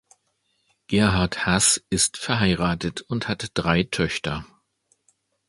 Gerhard Hass ist verheiratet und hat drei Töchter.